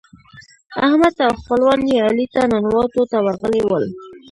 احمد او خپلوان يې علي ته ننواتو ته ورغلي ول.